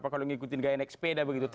kalau ngikutin kayak naik sepeda begitu